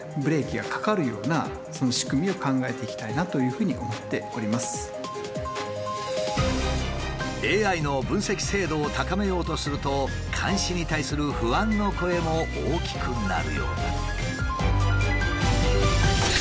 それについてはＡＩの分析精度を高めようとすると監視に対する不安の声も大きくなるようだ。